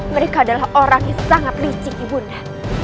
mereka adalah orang yang sangat licik ibu unda